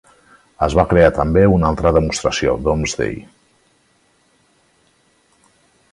Es va crear també una altra demostració, "Domesday".